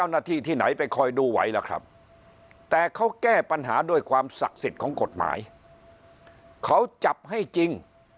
ประเทศอื่นที่เขาแก้ปัญหาเรื่องคนไม่ทำผิดกฎหมายเนี่ย